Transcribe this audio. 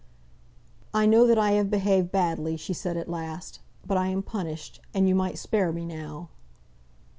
"I know that I have behaved badly," she said at last; "but I am punished, and you might spare me now!"